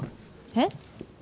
えっ？